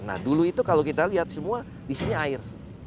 nah dulu itu kalau kita lihat semua di sini air